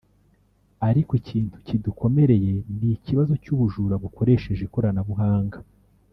ariko ikintu kidukomereye ni ikibazo cy’ubujura bukoresheje ikoranabuhanga